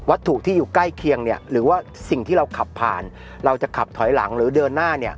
วัตถุที่อยู่ใกล้เคียงหรือว่าสิ่งที่เราขับผ่านเราจะขับถอยหลังหรือเดินหน้า